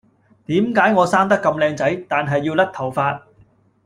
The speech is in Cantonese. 點解我生得咁靚仔，但係要甩頭髮